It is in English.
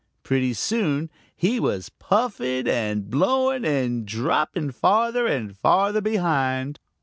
Pretty soon he was puffing and blowing and dropping farther and farther behind.